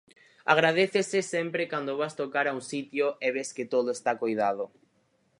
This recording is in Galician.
Agradécese sempre cando vas tocar a un sitio e ves que todo está coidado.